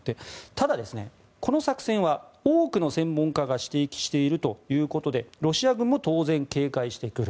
ただ、この作戦は多くの専門家が指摘しているということでロシア軍も当然、警戒してくる。